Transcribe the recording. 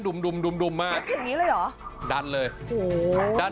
ุ่มดุมดุมดุมมากอย่างงี้เลยเหรอดันเลยโอ้โหดัน